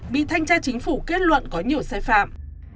bị thanh tra chính phủ kết luận có nhiều sai phạm